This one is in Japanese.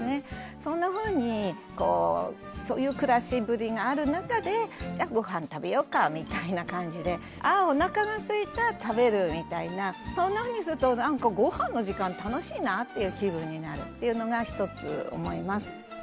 そんなふうにこうそういう暮らしぶりがある中でじゃあごはん食べようかみたいな感じで「あおなかがすいた食べる」みたいなそんなふうにすると「なんかごはんの時間楽しいな」っていう気分になるっていうのが一つ思います。